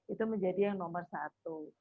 itu menjadi yang nomor satu